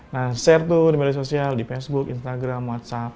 nah share tuh di media sosial di facebook instagram whatsapp